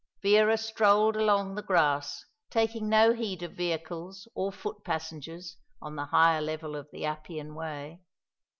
Vera strolled along the grass, taking no heed of vehicles or foot passengers on the higher level of the Appian Way.